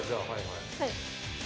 はい。